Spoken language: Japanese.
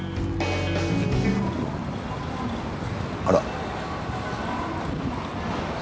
あら。